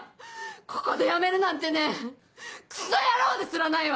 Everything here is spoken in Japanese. ここでやめるなんてねぇクソ野郎ですらないわ！